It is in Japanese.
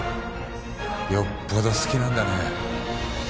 よっぽど好きなんだねえ。